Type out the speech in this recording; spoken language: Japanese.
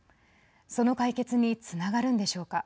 その解決につながるんでしょうか。